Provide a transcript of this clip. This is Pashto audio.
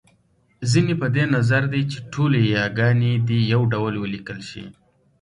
ځينې په دې نظر دی چې ټولې یاګانې دې يو ډول وليکل شي